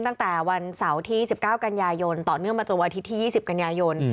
ตั้งแต่วันเสาร์ที่๑๙กันยายนต่อเนื่องมาจนวันอาทิตย์ที่๒๐กันยายน